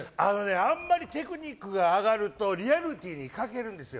あんまりテクニックが上がるとリアリティーに欠けるんですよ。